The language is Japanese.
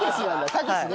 「たけし」ね。